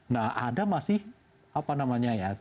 nah ada masih apa namanya ya